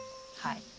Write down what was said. はい。